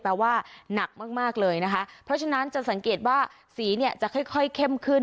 ว่าหนักมากเลยนะคะเพราะฉะนั้นจะสังเกตว่าสีเนี่ยจะค่อยเข้มขึ้น